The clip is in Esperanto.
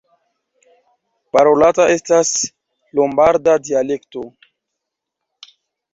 Parolata estas lombarda dialekto.